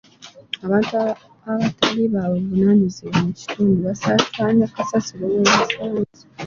Abantu abatali ba buvunaanyizibwa mu kitundu basaasaanya kasasiro we basanze.